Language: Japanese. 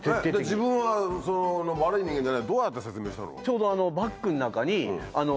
自分はその悪い人間じゃないどうやって説明したの？